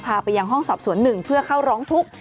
ไปยังห้องสอบสวนหนึ่งเพื่อเข้าร้องทุกข์